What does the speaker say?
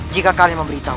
jika kalian memberitahu